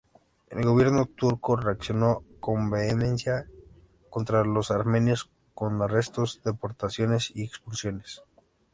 El Gobierno turco reaccionó con vehemencia contra los armenios con arrestos, deportaciones y expulsiones.